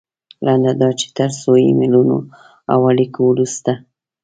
لنډه دا چې تر څو ایمیلونو او اړیکو وروسته.